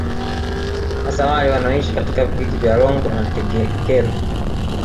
Hasa wale wanaoishi katika vijiji vya Longwe na Tegekero